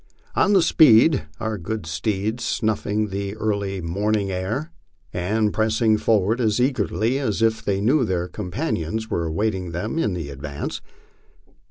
On we sped, our good steeds snuffing the early mom ing air and pressing forward as eagerly as if they knew their companions wer awaiting them in the advance.